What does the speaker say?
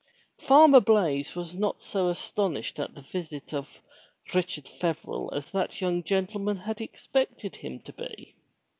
Farmer Blaize was not so astonished at the visit of Richard Feverel as that young gentleman had expected him to be.